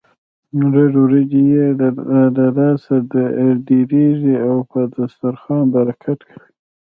لږ وريجې يې له لاسه ډېرېږي او په دسترخوان برکت کوي.